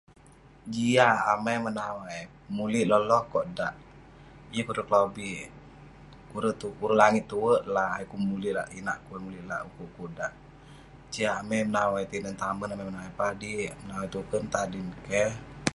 Jiak amai menawai. Mulik loh loh kok dak. Yeng kure' kelobik ineh. Kure' tu- kure' langit tue la ayuk kuk mulik lak inak, ayuk kuk mulik lak ukuk kuk dak. Jiak amai menawai tinen tamen, amai menawai padik, amai menawai tuken, tadin keh.